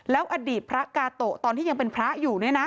แล้วอดีตพระกาโตะตอนที่ยังเป็นพระอยู่เนี่ยนะ